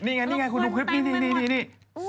นี่ไงคุณดูคลิปนี้